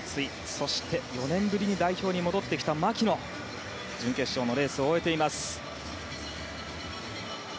そして４年ぶりに代表に戻ってきた牧野が準決勝のレースを終えています。